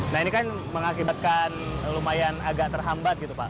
nah ini kan mengakibatkan lumayan agak terhambat gitu pak